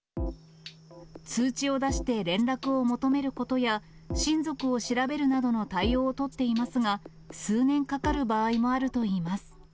通知を出して連絡を求めることや、親族を調べるなどの対応を取っていますが、数年かかる場合もあるといいます。